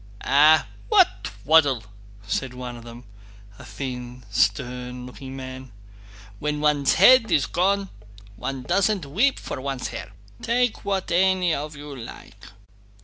"Eh, what twaddle!" said one of them, a thin, stern looking man. "When one's head is gone one doesn't weep for one's hair! Take what any of you like!"